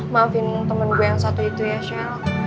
maafin temen gue yang satu itu ya che